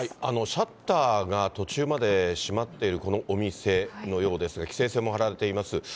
シャッターが途中まで閉まってるこのお店のようですが、規制線も張られています。